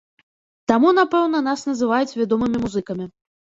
Таму, напэўна, нас называюць вядомымі музыкамі.